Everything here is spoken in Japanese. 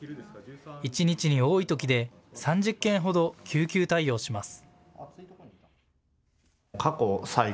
一日に多いときで３０件ほど救急対応します。